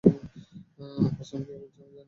কসম খেয়ে বলছি, আমি জানি না।